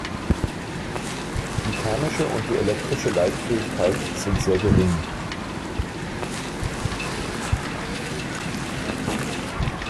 Die thermische und die elektrische Leitfähigkeit sind sehr gering.